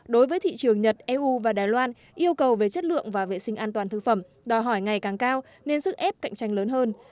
đối với thị trường nhật eu và đài loan yêu cầu về chất lượng và vệ sinh an toàn thực phẩm đòi hỏi ngày càng cao nên sức ép cạnh tranh lớn hơn